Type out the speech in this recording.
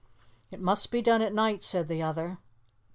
"It must be done at night," said the other.